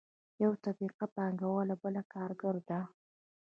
یوه طبقه پانګوال او بله کارګره ده.